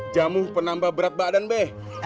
jamu penambah berat badan be